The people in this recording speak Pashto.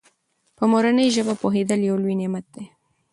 په مورنۍ ژبه پوهېدل یو لوی نعمت دی.